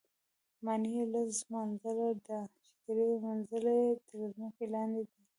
ماڼۍ یې لس منزله ده، چې درې منزله یې تر ځمکې لاندې دي.